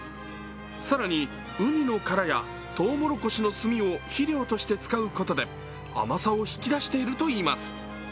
更に、うにの殻やとうもろこしの炭を肥料として使うことで甘さを引き出しているといいます。